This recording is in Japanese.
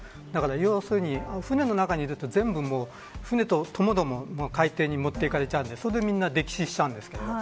要するに船の中にいると全部船とともども海底に持っていかれちゃうんでみんな溺死してしまいます。